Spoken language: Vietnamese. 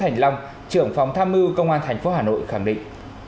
thành long trưởng phòng tham mưu công an thành phố hà nội khẳng định